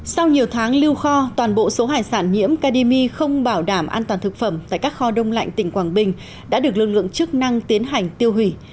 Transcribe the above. sau nhiều tháng lưu kho toàn bộ số hải sản nhiễm kdimi không bảo đảm an toàn thực phẩm tại các kho đông lạnh tỉnh quảng bình đã được lực lượng chức năng tiến hành tiêu hủy